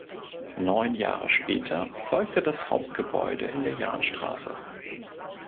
Neun Jahre später folgte das Hauptgebäude in der Jahnstraße.